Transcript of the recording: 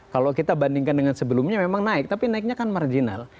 kalau kita bandingkan dengan sebelumnya memang naik tapi naiknya kan marginal